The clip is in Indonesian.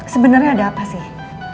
sebenarnya ada apa sih